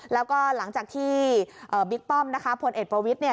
แล้วก็หลังจากที่บิ๊กป้อมโพลเอกประวิทธิ์